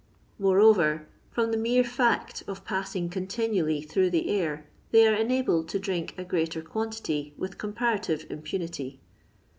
Moreover, from the mere fact of passing continually through the air, they are enabled to drink a greater quantity with comparative im punity.